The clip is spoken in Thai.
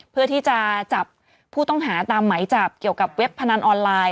เพื่อที่จะจับผู้ต้องหาตามไหมจับเกี่ยวกับเว็บพนันออนไลน